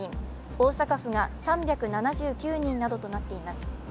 大阪府が３７９人などとなっています。